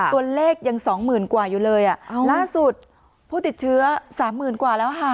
ตัวเลขยัง๒๐๐๐๐กว่าอยู่เลยล่าสุดผู้ติดเชื้อ๓๐๐๐๐กว่าแล้วค่ะ